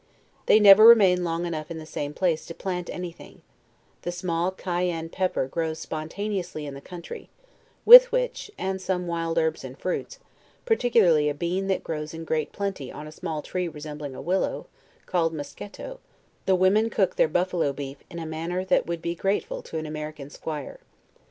They never remain long enough in the same place to plant any thing: the small Cayenne pepper grows spontaneously in the country; with which, and some wild herbs and fruits, particularly a bean that grows in great plenty on a small tree resembling a willow, called masketo, the women cook their buffalo beef in a manner that would be grateful to an American squire.